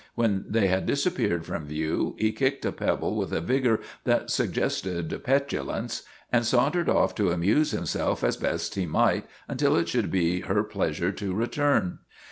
When they had disappeared from view he kicked a pebble with a vigor that suggested petulance, and sauntered off to amuse himself as best he might until it should be her pleasure to return.